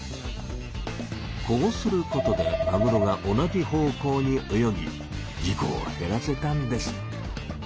こうすることでマグロが同じ方向に泳ぎ事こを減らせたんです。